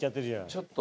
ちょっと。